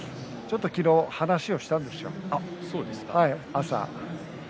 昨日、話をしたんですよ、朝。